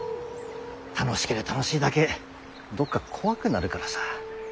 楽しけりゃ楽しいだけどっか怖くなるからさ。